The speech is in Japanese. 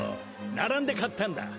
並んで買ったんだ！